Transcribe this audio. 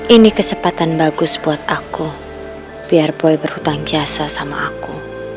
ini kesempatan bagus buat aku biar boy berhutang jasa sama aku